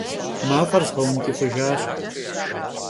Maf'er zğeunç'ıf'ıjjaş.